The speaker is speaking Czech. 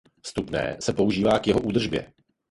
Vstupné se používá k jeho údržbě.